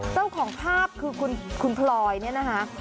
เจ้าของภาพคือคุณพลอยเนี่ยนะคะ